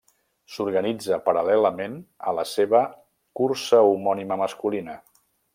S'organitza paral·lelament a la seva cursa homònima masculina.